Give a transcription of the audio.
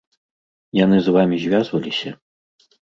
Яны з вамі звязваліся?